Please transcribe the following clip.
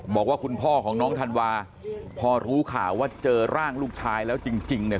บอกว่าคุณพ่อของน้องธันวาพอรู้ข่าวว่าเจอร่างลูกชายแล้วจริงเนี่ย